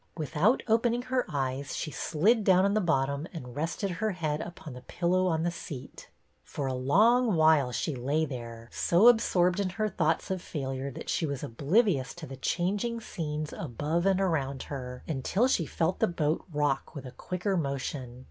Without opening her eyes she slid down on the bottom and rested her head upon the pillow on the seat. . For a long while she lay there, so absorbed in her thoughts of failure that she was oblivious to the changing scenes above and around her, until she felt the boat rock with a quicker motion.